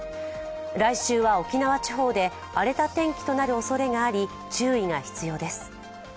来週は沖縄地方で荒れた天気となるおそれがあり、注意が必要です。